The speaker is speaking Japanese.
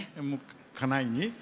家内に。